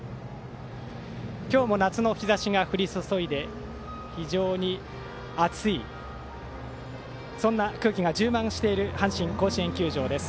今日も夏の日ざしが降り注いで非常に暑いそんな空気が充満している阪神甲子園球場です。